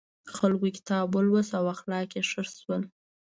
خلکو کتاب ولوست او اخلاق یې ښه شول.